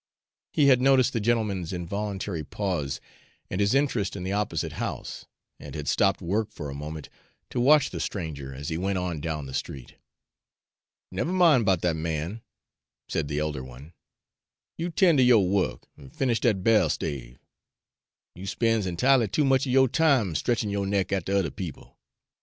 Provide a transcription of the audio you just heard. He had noticed the gentleman's involuntary pause and his interest in the opposite house, and had stopped work for a moment to watch the stranger as he went on down the street. "Nev' min' 'bout dat man," said the elder one. "You 'ten' ter yo' wuk an' finish dat bairl stave. You spen's enti'ely too much er yo' time stretchin' yo' neck atter other people.